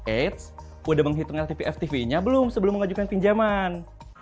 eits udah menghitung ltv ftv nya belum sebelum mengajukan pinjaman